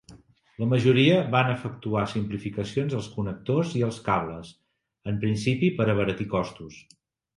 La majoria van efectuar simplificacions als connectors i els cables, en principi per abaratir costos.